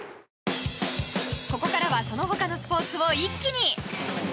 ここからはそのほかのスポーツを一気に。